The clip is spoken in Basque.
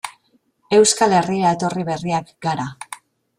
Euskal Herrira etorri berriak gara.